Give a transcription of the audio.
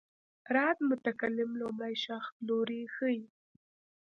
را د متکلم لومړی شخص لوری ښيي.